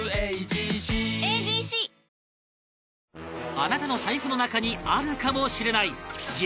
あなたの財布の中にあるかもしれない激